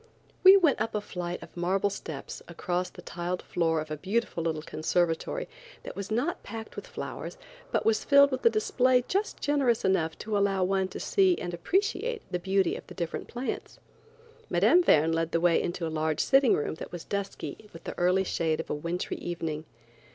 We went up a flight of marble steps across the tiled floor of a beautiful little conservatory that was not packed with flowers but was filled with a display just generous enough to allow one to see and appreciate the beauty of the different plants. Mme. Verne led the way into a large sitting room that was dusky with the early shade of a wintry evening.